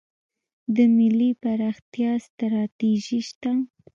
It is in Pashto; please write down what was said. د ملي پراختیا ستراتیژي شته؟